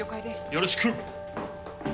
よろしく！